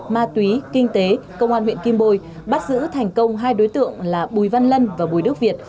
ma túy kinh tế công an huyện kim bôi bắt giữ thành công hai đối tượng là bùi văn lân và bùi đức việt